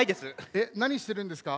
えっなにしてるんですか？